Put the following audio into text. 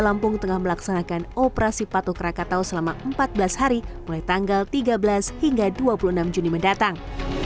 lampung tengah melaksanakan operasi patuh krakatau selama empat belas hari mulai tanggal tiga belas hingga dua puluh enam juni mendatang